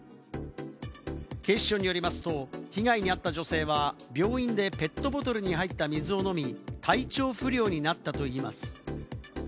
警視庁によりますと、被害に遭った女性は病院でペットボトルに入った水を飲み、体調不良になったといいます。